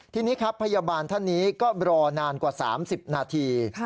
ทีนี้ครับพยาบาลท่านนี้ก็รอนานกว่า๓๐นาที